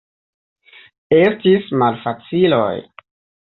Estis malfaciloj.